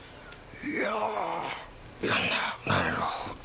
いやなるほど。